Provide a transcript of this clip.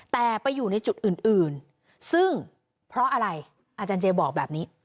แต่ไปอยู่ในจุดอื่นซึ่งเพราะอะไรอาจารย์เจบอกแบบนี้